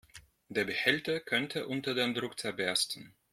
Der Behälter könnte unter dem Druck zerbersten.